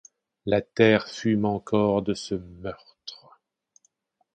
La terre fume encore de ce meurtre.